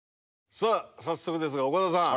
さあ早速ですが岡田さん